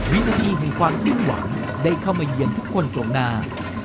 วิธีในความซึ้งหวังได้เข้ามาเยี่ยนทุกคนกล่วงหน้า